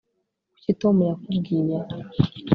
kuki tom yakubwiye